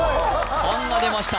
３が出ました